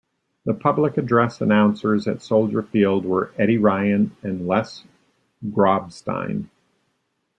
The public address announcers at Soldier Field were Eddie Ryan and Les Grobstein.